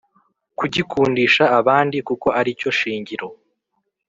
kugikundisha abandi kuko ari cyo shingiro